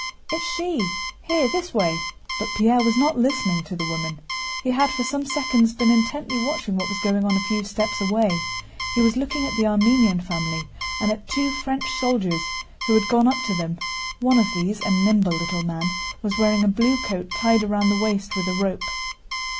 "It's she. Here, this way!" But Pierre was not listening to the woman. He had for some seconds been intently watching what was going on a few steps away. He was looking at the Armenian family and at two French soldiers who had gone up to them. One of these, a nimble little man, was wearing a blue coat tied round the waist with a rope.